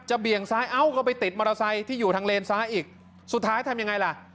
เบี่ยงซ้ายเอ้าก็ไปติดมอเตอร์ไซค์ที่อยู่ทางเลนซ้ายอีกสุดท้ายทำยังไงล่ะ